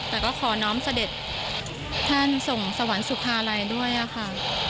แต่ก็ขอน้อมเสด็จท่านส่งสวรรค์สุภาลัยด้วยค่ะ